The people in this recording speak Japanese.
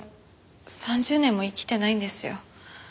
３０年も生きてないんですよ。